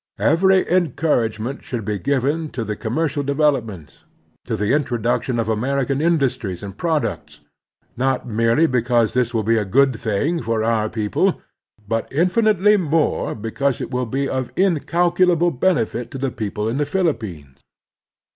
Every en couragement should be given to their commercial development, to the introduction of American industries and products ; not merely because this will be a good thing for oiu people, but infinitely more because it will be of incalculable benefit to the people in the Philippines.